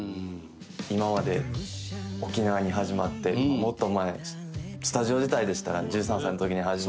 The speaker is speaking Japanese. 今まで沖縄に始まってもっと前スタジオ時代でしたら１３歳の時に始まって。